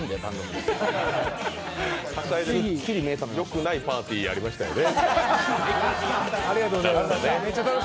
はしゃいで、よくないパーティーやりましたよね。